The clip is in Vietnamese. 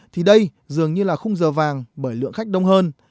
thì đây dường như là khung giờ vàng bởi lượng khách đông hơn